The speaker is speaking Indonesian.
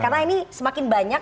karena ini semakin banyak